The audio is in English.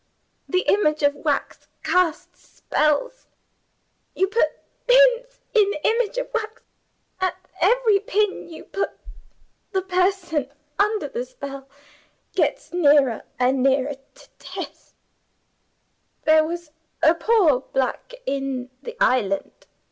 The image of wax casts spells. You put pins in the image of wax. At every pin you put, the person under the spell gets nearer and nearer to death. There was a poor black in the island.